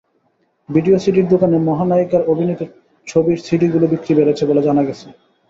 Video সিডির দোকানে মহানায়িকার অভিনীত ছবির সিডিগুলো বিক্রি বেড়েছে বলে জানা গেছে।